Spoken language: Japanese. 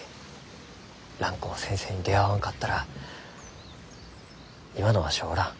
蘭光先生に出会わんかったら今のわしはおらん。